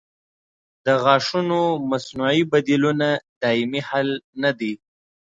د غاښونو مصنوعي بدیلونه دایمي حل نه دی.